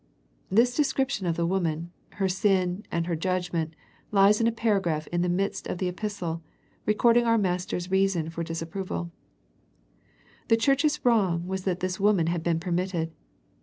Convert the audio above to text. This description of the woman, her sin, and her judgment lies in a paragraph in the midst of the epistle, recording our Master's reason for disapproval. The church's wrong was that this woman had been permitted.